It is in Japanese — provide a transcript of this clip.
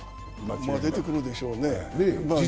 まぁ、出てくるでしょうね。